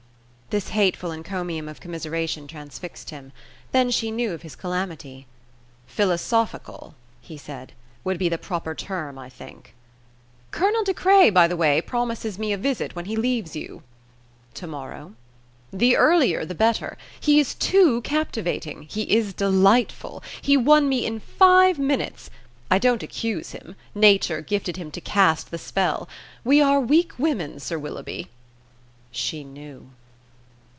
This hateful encomium of commiseration transfixed him. Then she knew of his calamity! "Philosophical," he said, "would be the proper term, I think." "Colonel De Craye, by the way, promises me a visit when he leaves you." "To morrow?" "The earlier the better. He is too captivating; he is delightful. He won me in five minutes. I don't accuse him. Nature gifted him to cast the spell. We are weak women, Sir Willoughby." She knew!